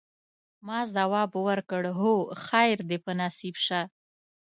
ما ځواب ورکړ: هو، خیر دي په نصیب شه.